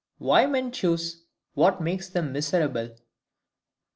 Why men choose what makes them miserable.